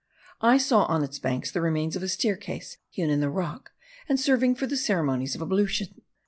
I saw on its banks the remains of a staircase hewn in the rock, and serving for the ceremonies of ablution.